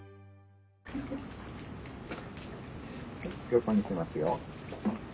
横にしますよ。